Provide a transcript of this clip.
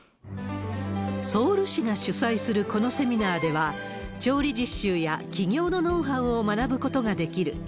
ソウル市が主催するこのセミナーでは、調理実習や起業のノウハウを学ぶことができる。